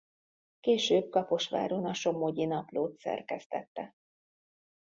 Később Kaposváron a Somogyi Naplót szerkesztette.